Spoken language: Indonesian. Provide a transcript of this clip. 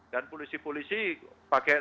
dan polisi polisi pakai sepeda peda